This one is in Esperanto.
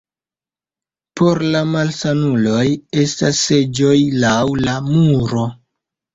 Por la malsanuloj estas seĝoj laŭ la muro.